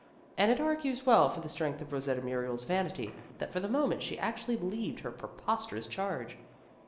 And it argues well for the strength of Rosetta Muriel's vanity that for the moment she actually believed her preposterous charge.